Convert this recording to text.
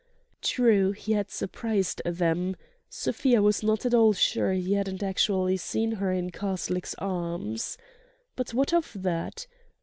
True, he had surprised them, Sofia was not at all sure he hadn't actually seen her in Karslake's arms. But what of that?